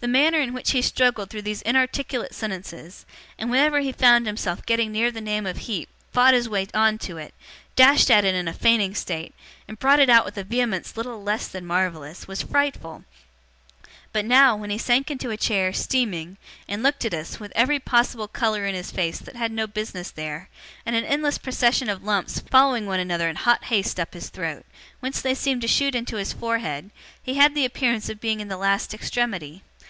The manner in which he struggled through these inarticulate sentences, and, whenever he found himself getting near the name of Heep, fought his way on to it, dashed at it in a fainting state, and brought it out with a vehemence little less than marvellous, was frightful; but now, when he sank into a chair, steaming, and looked at us, with every possible colour in his face that had no business there, and an endless procession of lumps following one another in hot haste up his throat, whence they seemed to shoot into his forehead, he had the appearance of being in the last extremity.